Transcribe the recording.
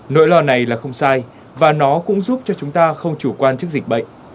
nỗi lo này là không sai và nó cũng giúp cho chúng ta không chủ quan trước dịch bệnh